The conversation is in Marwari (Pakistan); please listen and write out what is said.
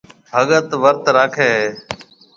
ڀگت ورت راکيَ هيَ۔